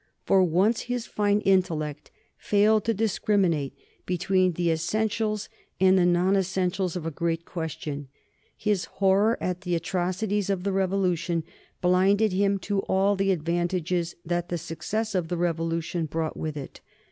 For once his fine intellect failed to discriminate between the essentials and the non essentials of a great question. His horror at the atrocities of the Revolution blinded him to all the advantages that the success of the Revolution brought with it.